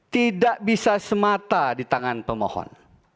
tidak bisa semata di tangan pemohon